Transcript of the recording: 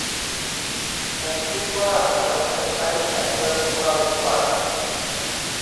ฉันคิดว่ากลับไปใช้แผนเดิมของเราดีกว่า